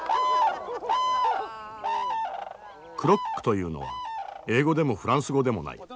クロックというのは英語でもフランス語でもない。